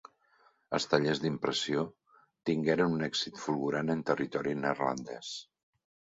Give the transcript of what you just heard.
Els tallers d'impressió tingueren un èxit fulgurant en territori neerlandès.